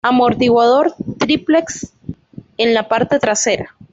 Amortiguador Triplex en la parte trasera.